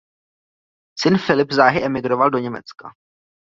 Syn Filip záhy emigroval do Německa.